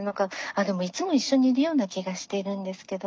あでもいつも一緒にいるような気がしているんですけど。